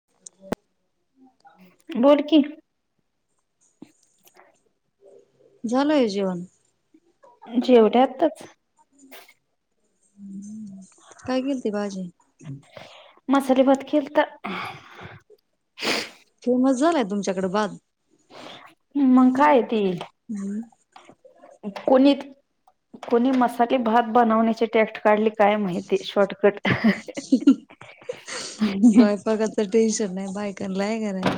ह [inaudible] बोल की झाल होय जेवन? जेवले आताच काय केेल ते भाजी मसाले भात केलता फेमस झालाय तुमच्याकडे भात मग काय ती हम्म. कोणी कोणी मसाले भात बनवण्याचे टेक्ट काढली? काय माहिती शॉर्टकट स्वयंपाकाचं टेन्शन नाही बायकांणा आहे काय नाई?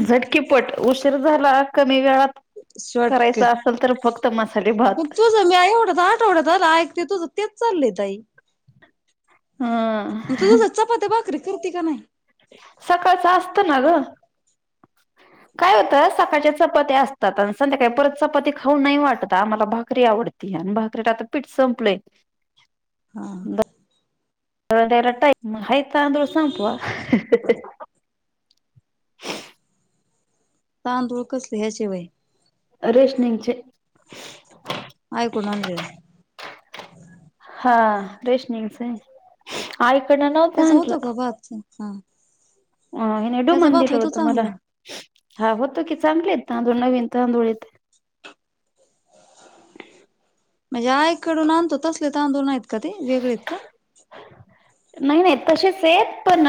झटकीपट उशीर झाला कमी वेळात करायच शॉर्टकट असेल तर फक्त मासाले मग भात. मी आवडत आठ आवडत आला तेच चालय ताई हा. तू तुझ चपात्या भाकरी करते का नाही? सकाळचं असत ना ग काय होतं सकाळच्या चपाती असतात आणि संध्याकाळी परत चपाती खाऊन नाही वाटत आम्हाला भाकरी आवडते तिन भाकरिला आता पीठ संपलंय. हा. ला टईम [unintelligible] हाय तांदूळ संपवा. तांदूळ कसले ह्याशिवाय? रेशनिंगचे आयकडून आणले हा रेशनिन्गचा, आईकडन नवता आणांलं हां. अ नडुमन [unintelligible] दिल होत मला हा होतं की चांगले तांदूळ नवीन तांदूळ येत म्हणजे आईकडून आणतो तसले तांदूळ नाहीत का ते वेगळे आहेत का? नाही नाही तसेच आहेत पण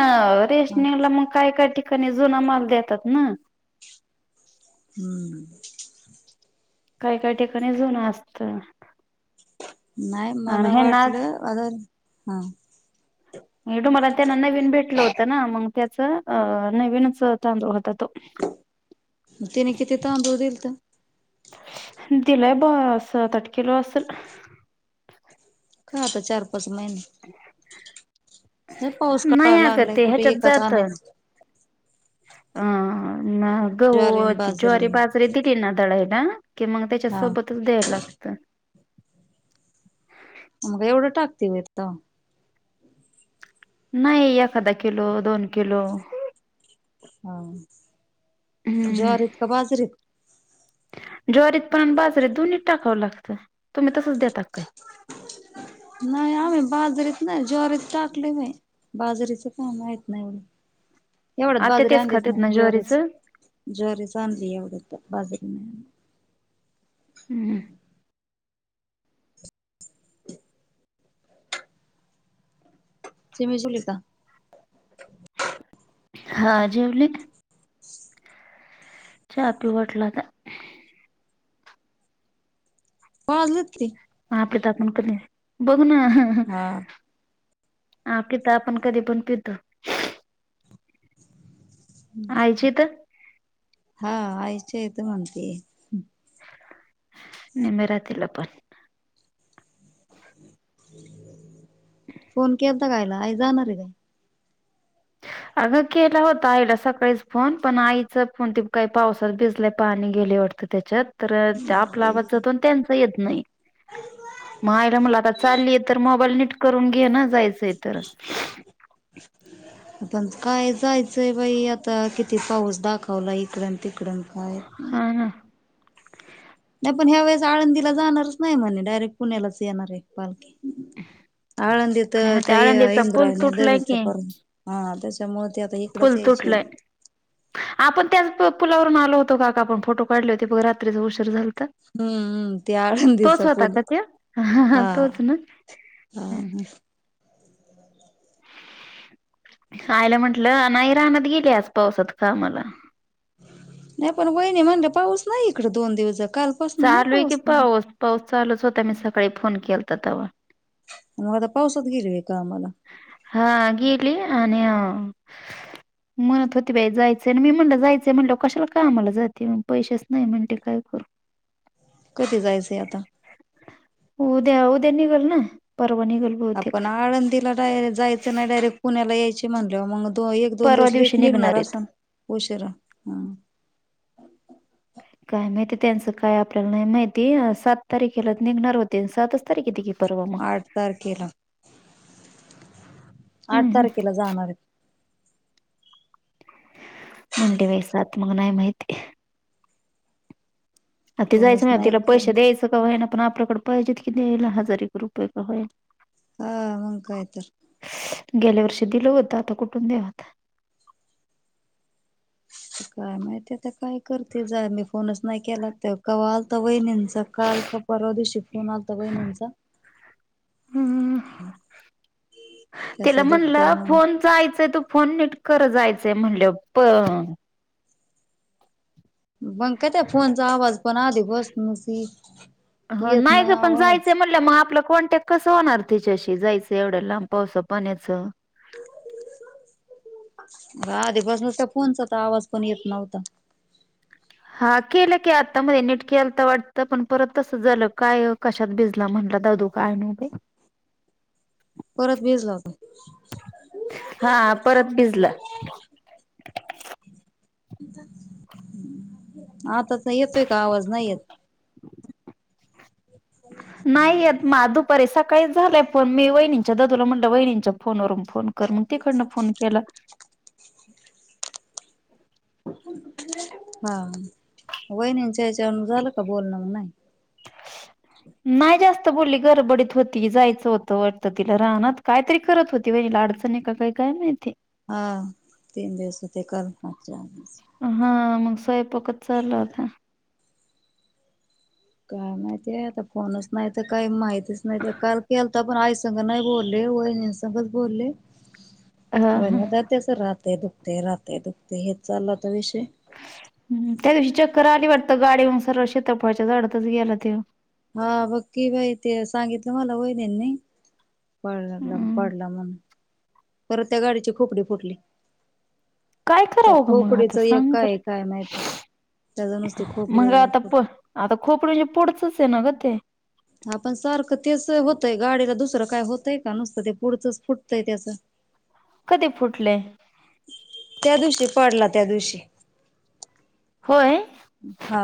हा रेशनिंगला मग काय काय ठिकाणी जुना माल देतात ना हम्म. काय काय ठिकाणी जुन असत. नाही आणि मला हे ना वाटलं आडन [inaudible] डू मला त्यांना नवीन भेटलं होतं ना मग, त्याच अ नवीनच तांदूळ होता तो. तिने किती तांदूळ दिलत? दिलाय बा सात आठ किलो असल खा आता चार-पाच महिने लय पाऊस काळा नाही अग लागलाय ते कुठे ह्याच्यात एकात जात. आणायचं अह म गहूं ज्वारी व न ती ज्वारी, बाजरी दिली ना दळायला कि मग हा त्याच्यासोबतच द्यायला लागतं. मग एवढं टाकततीवत? नाही एखाधा किलो, दोन किलो हा हम्म जवारीत का बाजरीत? ज्वारीत पण बाजारीत दोन्हीते टाकावं लागतं तुम्ही तसच देता काय? [inaudible] नाही आम्ही बाजरीत नाही, ज्वारीत टाकलेले बाजरीेच काय माहीत नाही एवढं आता तेच खातेत ना ज्वारीचं? ज्वारी चांगली एवढ तर बाजारी हम्म. जिमि जेवलीका? हा जेवली चहा पिवू वाटला आता. वाजलत किती? ह आपडे ताकण क बघू ना हा [unintelligible] हा पिता आपण कधी पण पितो. आईची तर हा आयच्या इथं म्हणते. निमे रातिला पण फोन केलता का आईला आई जाणार आहे काय. अगं केला होता. आईला सकाळीच फोन पण आईचा फोन ते काही पावसात भिजले पाणी गेलेयवटत. तर त्याच्यात तर त्या काय? आपला आवाज अरे जातो त्यांच येत नाही. मग आईयशला म्हणल आता चाललीय तर मोबाईल नीट करून घे ना जायचंय तर [unintelligible] पण काय जायचंय बाई आता किती पाऊस दाखवला इकडन तिकडन काय. हम हम. नाही पण ह्या वेळेस आळंदीला जाणारच नाही म्हणे डायरेक्ट पुण्यालाच येणार आहे. पालखी आळंदी काय तर म्हणते त्या आळंदीचा पूल इंद्रायनी [unintelligible] तुटलाय वीच परणी हा तेच. त्याच्यामुळ ते आता. इकडच फुल यायची तुटलंय. म्हणे. आपण त्याच पु पुलावरून आलो होतो, का का आपण फोटो काढले होते, बघ रात्रीचं उषर झालं त हम्म ते तोच आळंदीचा होता पूल का तो हा हा तोच ना. हा हम् हम्. आईला म्हंटलं नाही रानात गेली आज पावसात कामाला. नाही पण वहिणी म्हणलं पाऊस नाही इकडे दोन दिवस काल चालू आहेय की पाऊस पाऊस चालूच होता, मी सकाळी फोन केला तर तेव्हा. मग आता पाऊसात गेल काय कामाला. हा गेली आणि अ म्हणत होते बाई जायचंय आणि मी म्हणलंव जायचंय म्हणलंव कशाला कामला जाते पैसेच नाही म्हणते काय करू. कधी जायचंय आता. उद्या, उद्या निगल ना परवा निगल. आपण आळंदीलाडायरट जायचं नाही डायरेक्ट पुण्याला यायची म्हणल्याव मग तुवा एक दोन परवा दिवस दिवशी लेट निघणार आहेत. असन उशीरा ह काय माहितीय त्यांचं काय आपल्याला नाही माहिती सात तारीखेला निघणार होते, सातच तारीखे ते कि आठ तारखेला हम्म आठ हम्म. तारखेला जाणार आहे. म्हंट वै सात मग नाही माहिती. आता ते फोनच जायचं म नाही तिला पैसे केला द्यायं कावा्हा ना पण आपल्याकडे पाहिजे की द्यायला हजार एक रुपये कावाय ना हा मं कायतर. गेल्या वर्षी दिलं होतं, आता कुठून देवता. काय माहितीयता काय करते जा मी फोनच नाही केला तर कावा आलता वहिनींचा. काल का परवधी फोन आलता वहिनींचा. त्याच तला दुखतय म्हणलं म्हणून फोन जायचंय तो फोन नट खरं जायचंय म्हणलव प बंग कायत फोनचा आवाज पण आधी बस नसी येत नाही आवाज. म्ह मग आपलं कोण्टॅ कस होणार त्यािच्याशी जायचं एवढं लांब पावसां पाण्याचं. आधीपासून त्या फोनचा तर आवाज पण येत नव्हता. हा केलं की आतामध्ये नेट केल वाटतं पण परत तसं झालं काय. कशात भिजला म्हणला दादू काय नवभय. परत भिजला होता हा परत भिजला. आताचा येतोय का आवाज नाही येत. नाही येत म दुपारी सकाळी झालाय फोन मी वहिणींच्या ददूला म्हटलं वहिणींच्या फोनवरून फोन कर मग तकडनं फोन केला. हा वहिणीच्या याच्या झालं का बोलण म नाही. [inaudible] नाही जास्त बोली गरबडीत होती, जायचं होतं, वाटत तिला रानात. कायतरी करत होती, बाहिजे ला अडचणी का काही काय मातीे. हा. तीन दिवस ते कर चार दिवस हा मग स्वयंपाकत चालला होता. काय माहिती आहे आता फोनच नाही तर काही माहितीच नाही काल केल तर पण आ. घ नाही बोलले वहिन संघ बोलले हा व हा त्यात त्याच राहते दुखते राहते दुखते हेच चाललाता विषय ह त्या दिवशी चक्कर आली वाटतं गाडीून सर्व शेत्रफळाच्या झाडातच गेला तेव हा बघकीी बाई ते सांगितलं मला होईन नाही. पड हम्म पडला म्हण पर त्या गाडीची खोपडी फुटली. काय त्या करावंगं मग आता खोपडीच एक सांग बर. काय काय माहिती. त्याच नुसते मग खोपडे आता फुट प आता खोपर म्हणजे पुोढचच आहे ना ग ते आपण सारखं तेच होतंय गाडीला दुसरं काय होतंय का नुसतं ते पुढचंच फुटतंय त्याचं. कधी फुटले? त्या दिवशी पडला त्या दिवशी होय. हा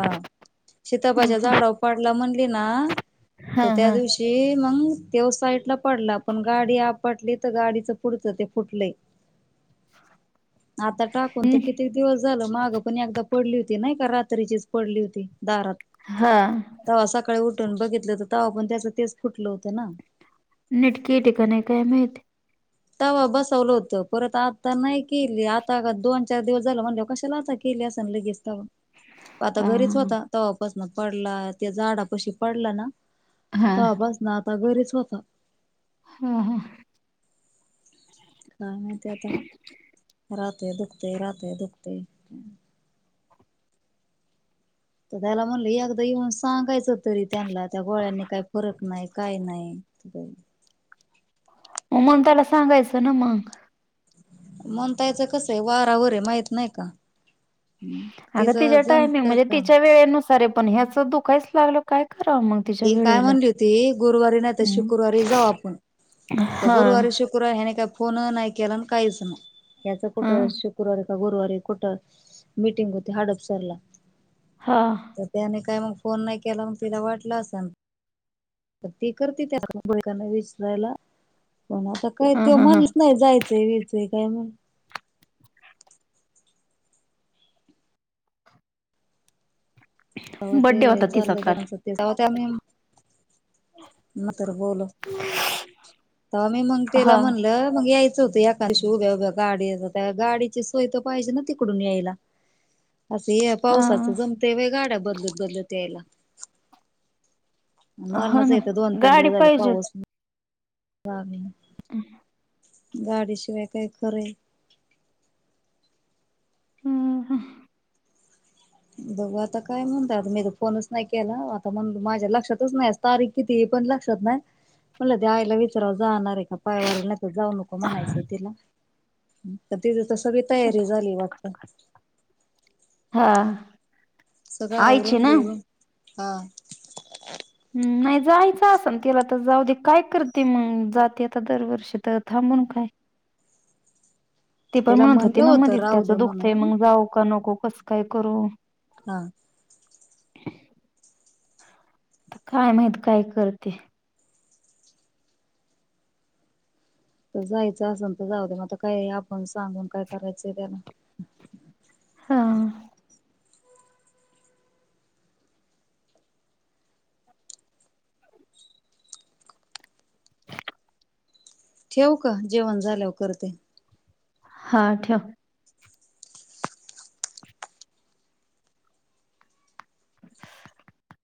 शताबाच्या हा झाडा पाडला म्हणली ना हा तर त्या हा हा दिवशी जे मग तेव साईडला पडला पण गाडी आपटली तर गाडीच पुढचं ते फुटलंय. [unintelligible] आता टाकून तर कितीक दिवस झालं मागं पण एकदा पडली होती नाही का रात रीचीच पडली होती दारात हा. तवा सकाळी उठून बघितलं तर तवा पण त्याच तेच फुटलं होतं ना. निटके टिकने कायमत तव बसवलं होतं परत आता नाही केली आता दोन चार दिवस झालं म्हणले कशाला आता केल्या अस लगे असताव. ह. आता घरीच होता तवापासन पडला त्या झाडा पशी पडला ना. हा त बास ना आता घरीच होता. हा हा. काय मा आहे ते आता राहते दुखते राहते दुखते. तर त्याला म्हणलं एकदा येऊन सांगायचं तरी त्यांना त्या गोळ्यांनी काही फरक नाही. काय नाही त हो मग त्याला सांगायचं ना मग म्हणतायचं कसं आहे वारावररे माहित नाही का? अगं तिचं तिच्या टायमिंग जमत म्हणजे का तिच्या वेळेनुसारे पण ह्याच दुखायच लागल काय खरा मग तिच्या ती काय वेळेला म्हणली होती गुरुवारी नाही तर हम्म शुक्रवारी जाऊ आपण तर हा गुरुवारी शु शुक ह्याने काय फोन नाही केला काहीच ना याच हा कुठं? गु रुवारी का गुरुवारी कुठं मीटिंग होती हाडपसरला हां. तर त्याने काय मग फोन नाही केला मग तिला वाटलं असं ना. तर ते करते त्या बकांना विसरायला कोणा काय हा तो हा हा म्हणत नाही जायचंय वयचंय काय म्हण. ते बड्डे होता तिचा चाल काल हो त्यां तेमही म तर बोल ते्हा मी मंग हा त्याला म्हणल मग यायचं होतं. क उभ्या उभ्या गाडी त्या गाडीची सोय तर पाहिजे ना तिकडून यायला असं या हा पावसाच जमते व गाड्या बदलत बदलत यायला हा मरणाच ना इथ दोन तीन गाडी दिवस झालं पाहिजे पाऊस हवी. हम. गाडीशिवाय काय करे. हम. बघू आता काय म्हणत आता मी तर फोनच नाही केला आता म्हण माझ्या लक्षातच नाही असत तारीख किती पण लक्षात ना म्हटलं ते आईला विचारव जाणार आहे. पायवारीला तर जाऊ नको म्हणायचंय तिला तिं तस सगळी तयारी झाली वाटत. हा. सगळं आईची आवरून ना घेवरून हा हम् नाही जायचं अस ना तिला तर जाऊ दे काय करते मग जाते आता दरवर्षी तर थांबून काय. ते पण त्याला म्हणत होती म्हणलं ना होतं मधीच राहू दे त्याचं दुःखत आहे म्हणून मग जाऊ का नको कसं काय करू हा. काय माहित काय करते. तर जायचं असेल तर जाऊ दे म काय आपण सांगून काय करायच त्याना. हा. ठेव का जेवण झाल्यावर करते. हा ठेव [inaudible]